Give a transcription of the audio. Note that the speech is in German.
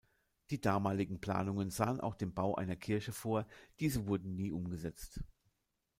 Die damaligen Planungen sahen auch den Bau einer Kirche vor, diese wurden nie umgesetzt.